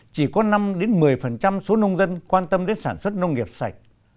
chỉ có năm một mươi số nông dân quan tâm đến sản xuất nông nghiệp sạch